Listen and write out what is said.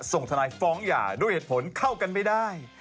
ส่งทนายฟ้องหย่าด้วยเหตุผลเข้ากันไม่ได้